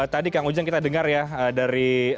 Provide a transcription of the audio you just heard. tadi kang ujang kita dengar ya dari